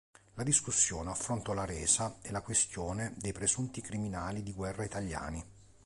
La discussione affrontò la resa e la questione dei presunti criminali di guerra italiani.